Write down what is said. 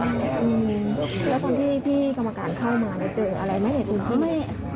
แล้วพอที่พี่กรรมการเข้ามาเจออะไรไหมหรือทุกที่